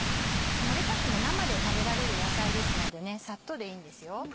レタスも生で食べられる野菜ですのでサッとでいいんですよ。